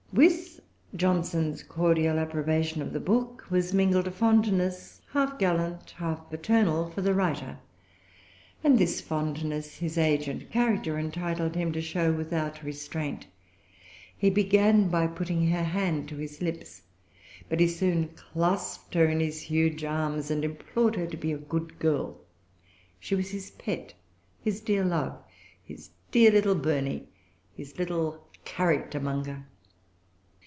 With Johnson's cordial approbation of the book was mingled a fondness, half gallant, half paternal, for the writer; and this fondness his age and character entitled him to show without restraint. He began by putting her hand to his lips. But he soon clasped her in his huge arms, and implored her to be a good girl. She was his pet, his dear love, his dear little Burney, his little character monger.